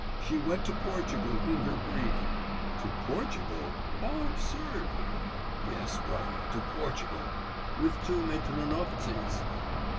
She went to Portugal in her grief.' 'To Portugal? How absurd!' 'Yes, brother, to Portugal, with two Matronovtsys.